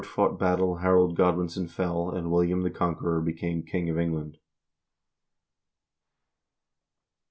In this hard fought battle Harold Godwinson fell, and William the Conqueror became king of England.